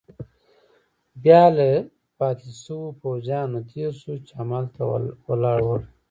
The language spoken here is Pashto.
بیا له پاتې شوو پوځیانو نه تېر شوو، چې هملته ولاړ ول.